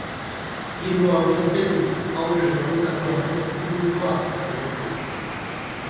Hiru auzipetuk aurrez lortutako lanpostu publikoa galduko dute.